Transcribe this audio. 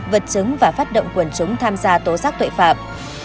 vật chứng và phát động quần chúng tham gia tố giác tội phạm